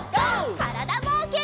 からだぼうけん。